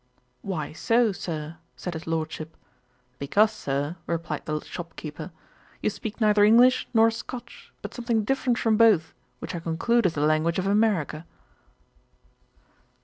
'Why so, Sir?' (said his Lordship.) 'Because, Sir, (replied the shopkeeper,) you speak neither English nor Scotch, but something different from both, which I conclude is the language of America.'